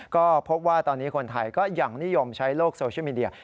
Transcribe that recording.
ก็พบว่าตอนนี้คนไทยก็ยังนิยมใช้โลกโซเชียลมีเดีย